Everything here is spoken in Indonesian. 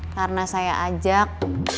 karena saya ajak